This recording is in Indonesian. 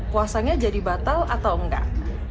puasanya jadi batal atau enggak